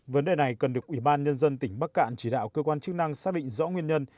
vấn đề này cần được ủy ban nhân dân tỉnh bắc cạn chỉ đạo cơ quan chức năng xác định rõ nguyên nhân